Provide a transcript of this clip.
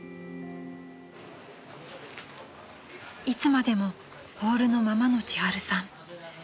［いつまでもホールのままの千春さん］